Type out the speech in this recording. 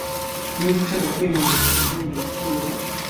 niba ushaka kwemeza umusore wifuza.